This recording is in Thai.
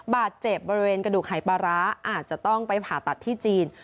บาดเจ็บบริเวณกระดูกหายปลาร้าอาจจะต้องไปผ่าตัดที่จีน